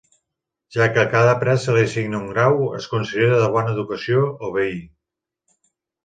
Ja que a cada pres se li assigna un grau, es considera de bona educació obeir.